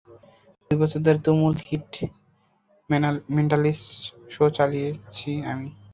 দুইবছর ধরে তুমুল hit mentalist show চালিয়েছি আমি।